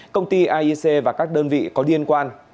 công ty aic và các đơn vị có liên quan